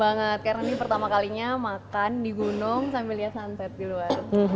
banget karena ini pertama kalinya makan di gunung sambil lihat sunset di luar